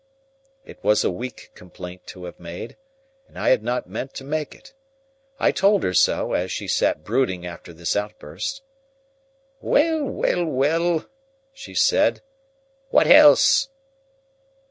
It was a weak complaint to have made, and I had not meant to make it. I told her so, as she sat brooding after this outburst. "Well, well, well!" she said. "What else?"